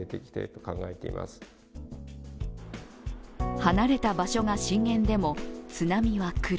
離れた場所が震源でも津波は来る。